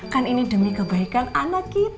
kan ini demi kebaikan anak kita